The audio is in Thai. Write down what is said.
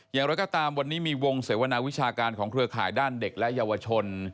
อย่างไรก็ตามวันนี้มีวงเสวนาวิชาการของเครือข่ายด้านเด็กและเยาวชน